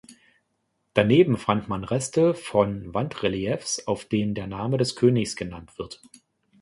Daneben fand man Reste von Wandreliefs, auf denen der Name des Königs genannt wird.